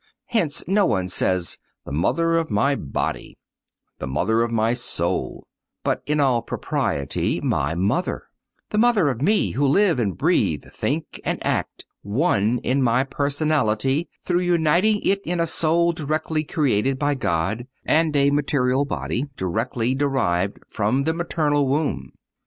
Hence no one says: "The mother of my body," "the mother of my soul;" but in all propriety "my mother," the mother of me who live and breathe, think and act, one in my personality, though uniting in it a soul directly created by God, and a material body directly derived from the maternal womb.